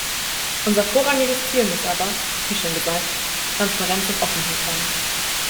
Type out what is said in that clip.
Unser vorrangiges Ziel muss aber, wie schon gesagt, Transparenz und Offenheit sein.